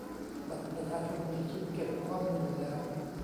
บัตรประชาชนมีชิปเก็บข้อมูลอยู่แล้ว